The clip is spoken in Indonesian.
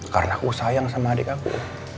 karena aku sayang sama adik aku